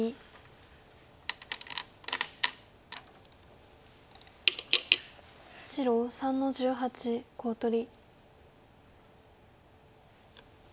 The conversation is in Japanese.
黒４の十八コウ取り。